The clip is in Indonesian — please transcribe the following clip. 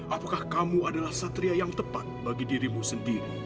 apakah kamu adalah satria yang tepat bagi dirimu sendiri